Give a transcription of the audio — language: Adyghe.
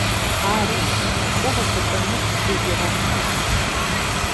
Ары, унэмкӏэ гъэцэкӏэныр сшӏыжьыгъэ.